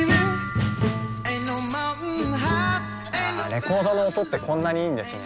レコードの音ってこんなにいいんですね。